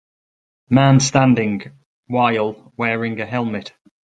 Man standing wile wearing a helmet.